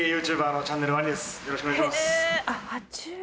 よろしくお願いします。